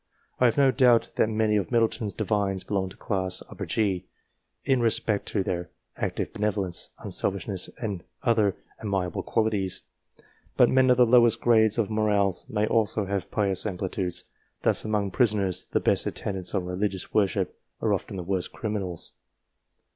I have no doubt that many of Middleton's Divines belong to class G, in respect to their active benevolence, unselfishness, and other amiable qualities. But men of the lowest grades of morals may also have pious aptitudes ; thus among prisoners, the best attendants on religious worship are often the worst criminals.